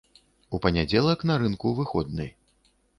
У панядзелак на рынку выходны.